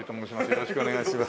よろしくお願いします。